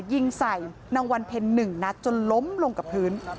ยิงใส่นางวันเพ็ญ๑นัดจนล้มลงกับพื้น